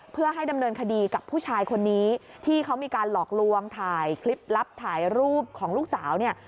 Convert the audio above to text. เพื่อให้ดำเนินคดีกับผู้ชายคนนี้ที่เขามีการหลอกลวงถ่ายคลิปลับถ่ายรูปของลูกสาวเนี่ย